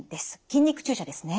筋肉注射ですね。